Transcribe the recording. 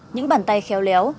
những bàn tay khéo léo